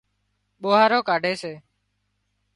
ٻوهارو ڪاڍي سي۔